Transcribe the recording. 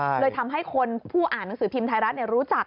เลยทำให้คนผู้อ่านหนังสือพิมพ์ไทยรัฐรู้จัก